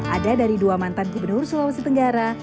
ada dari dua mantan gubernur sulawesi tenggara